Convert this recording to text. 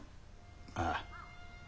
ああ。